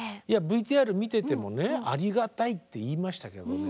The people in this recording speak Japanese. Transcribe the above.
いやＶＴＲ見ててもね「ありがたい」って言いましたけど